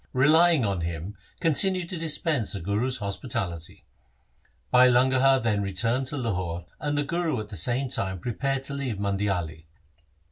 Relying on Him continue to dispense the Guru's hospitality.' Bhai Langaha then re turned to Lahore, and the Guru at the same time prepared to leave Mandiali.